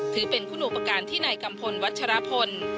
ถือเป็นคุณูประการที่ในกัมพลวัชฌาพล